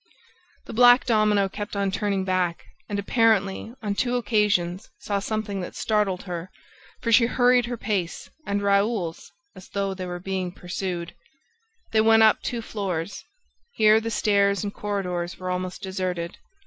The black domino kept on turning back and, apparently, on two occasions saw something that startled her, for she hurried her pace and Raoul's as though they were being pursued. They went up two floors. Here, the stairs and corridors were almost deserted.